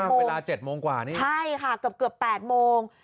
เวลา๗โมงกว่านี่ใช่ค่ะเกือบ๘โมง